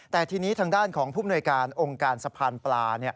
แต่ทีนี้ทางด้านของผู้มนวยการองค์การสะพานปลา